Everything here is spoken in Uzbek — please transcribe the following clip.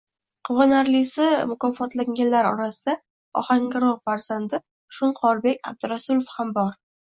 Quvonarlisi, mukofotlanganlar orasida Ohangaron farzandi Shunqorbek Abdurasulov ham bor.